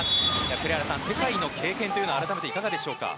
栗原さん、世界の経験というのは改めていかがでしょうか。